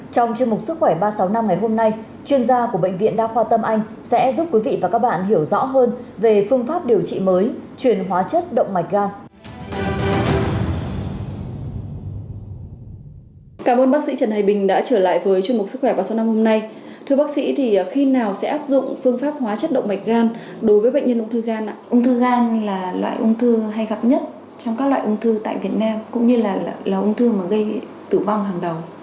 trong chương mục sức khỏe ba trăm sáu mươi năm ngày hôm nay chuyên gia của bệnh viện đa khoa tâm anh sẽ giúp quý vị và các bạn hiểu rõ hơn về phương pháp điều trị mới truyền hóa chất động mạch gan